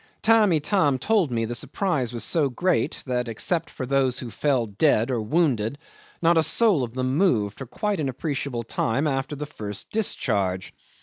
'Tamb' Itam told me the surprise was so great that, except for those who fell dead or wounded, not a soul of them moved for quite an appreciable time after the first discharge.